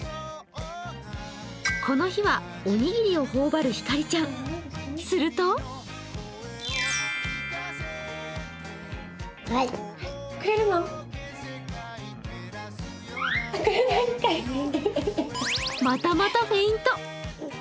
この日はおにぎりを頬張るひかりちゃん、するとまたまたフェイント。